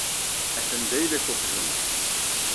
Atan d ayla-k uqjun-a.